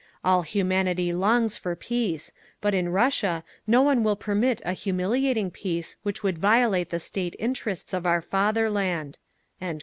All humanity longs for peace, but in Russia no one will permit a humiliating peace which would violate the State interests of our fatherland!"